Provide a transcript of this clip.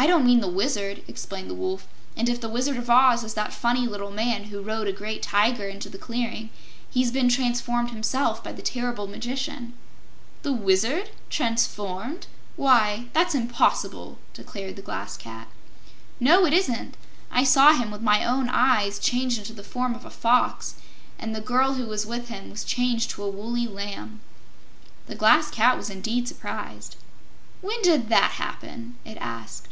"I don't mean the Wizard," explained the Wolf. "And if the Wizard of Oz is that funny little man who rode a great Tiger into the clearing, he's been transformed himself by the terrible Magician." "The Wizard transformed? Why, that's impossible," declared the Glass Cat. "No; it isn't. I saw him with my own eyes, changed into the form of a Fox, and the girl who was with him was changed to a woolly Lamb." The Glass Cat was indeed surprised. "When did that happen?" it asked.